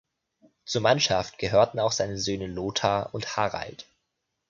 Zur Mannschaft gehörten auch seine Söhne Lothar und Harald.